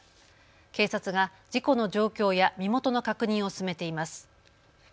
警察が事故の状況や身元の確認を進めています。